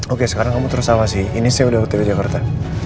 oke sekarang kamu terus awasi ini saya udah ke tv jakarta